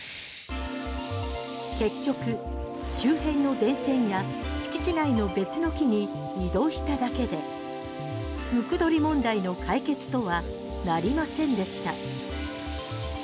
結局、周辺の電線や敷地内の別の木に移動しただけでムクドリ問題の解決とはなりませんでした。